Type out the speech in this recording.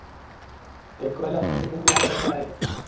এই কয়লার খনিতে তুমিই আমাদের ক্যানারি পাখি।